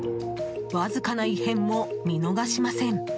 わずかな異変も見逃しません。